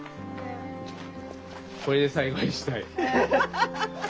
これで最後にしたい。